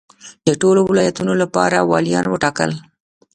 د ټولو ولایتونو لپاره والیان وټاکل.